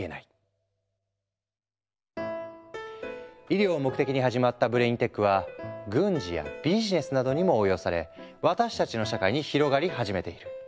医療を目的に始まったブレインテックは軍事やビジネスなどにも応用され私たちの社会に広がり始めている。